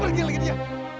pergi lagi dia